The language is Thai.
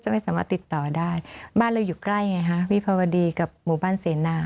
ไม่สามารถติดต่อได้บ้านเราอยู่ใกล้ไงฮะวิภาวดีกับหมู่บ้านเสนา